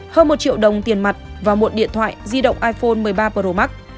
hơn một triệu đồng tiền mặt và một điện thoại di động iphone một mươi ba pro max